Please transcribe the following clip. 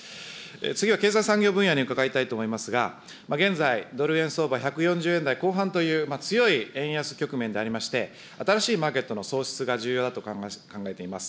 次は経済産業分野に伺いたいと思いますが、現在、ドル円相場１４０円台後半という、強い円安局面でありまして、新しいマーケットの創出が重要だと考えています。